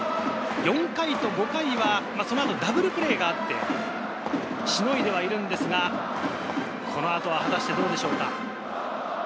４回と５回はその後、ダブルプレーがあって、しのいではいるのですが、この後は果たしてどうでしょうか。